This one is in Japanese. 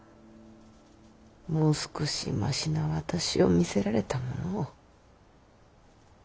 もう少しましな私を見せられたものを。